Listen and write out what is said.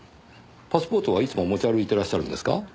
パスポートはいつも持ち歩いてらっしゃるんですか？